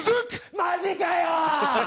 マジかよ！